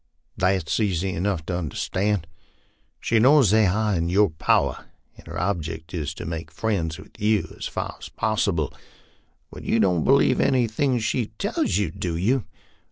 " That's easy enough to under stand ; she knows they are in your power, and her object is to make friends with you as far as possible. But you don 1 t believe anything she tells you, do you?